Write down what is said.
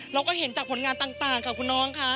เราก็เห็นจากผลงานต่างค่ะคุณน้องค่ะ